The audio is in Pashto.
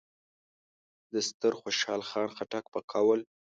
د ستر خوشحال خان خټک په قول: